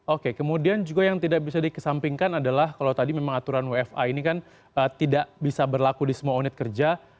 oke kemudian juga yang tidak bisa dikesampingkan adalah kalau tadi memang aturan wfa ini kan tidak bisa berlaku di semua unit kerja